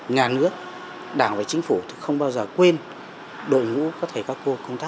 ngành giáo dục cũng đang hết sức trăn trở tìm những giải pháp tham mưu cho chính phủ